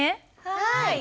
はい！